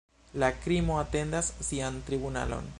La krimo atendas sian tribunalon.